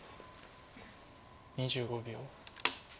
２５秒。